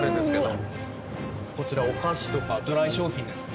こちらお菓子とかドライ商品ですね。